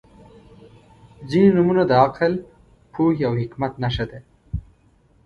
• ځینې نومونه د عقل، پوهې او حکمت نښه ده.